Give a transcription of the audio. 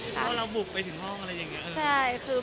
เพราะเราบุกไปถึงห้องอะไรอย่างนี้